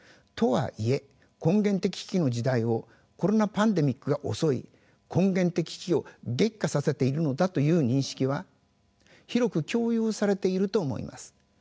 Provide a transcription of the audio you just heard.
とはいえ根源的危機の時代をコロナパンデミックが襲い根源的危機を激化させているのだという認識は広く共有されていると思います。